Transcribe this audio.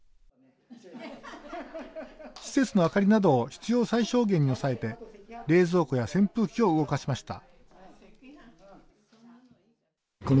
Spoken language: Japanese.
施設の明かりなどを必要最小限に抑えて冷蔵庫や扇風機を動かしました。